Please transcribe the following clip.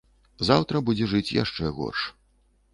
Заўтра будзе жыць яшчэ горш.